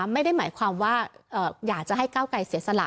ไม่ได้หมายความว่าอยากจะให้ก้าวไกลเสียสละ